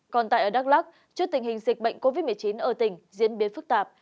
còn tại đắk lắc trước tình hình dịch bệnh covid một mươi chín ở tỉnh diễn biến phức tạp